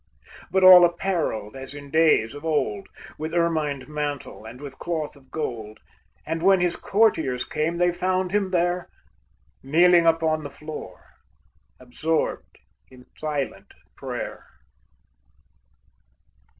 But all appareled as in days of old, With ermined mantle and with cloth of gold, And when his courtiers came, they found him there Kneeling upon the floor, absorbed in silent prayer.